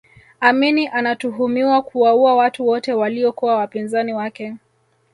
amini anatuhumiwa kuwaua watu wote waliyokuwa wapinzani wake